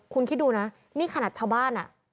คุณคิดดูนะนี่ขนาดชาวบ้านอ่ะ